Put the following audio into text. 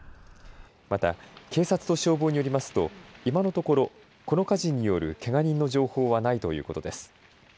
また警察と消防によりますと今のところこの火事によるけが人の情報はないということです。